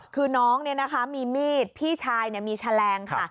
คือน้องมีมีดพี่ชายมีแฉลงค่ะ